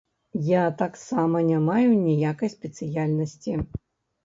Я таксама не маю ніякай спецыяльнасці.